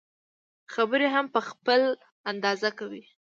خبرې هم په خپل انداز کوي.